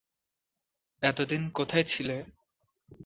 এতদিন কোথায় ছিলে?